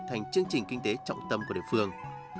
thành chương trình kinh tế trọng tâm của địa phương